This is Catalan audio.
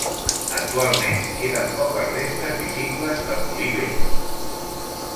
Actualment queden poques restes visibles del molí vell.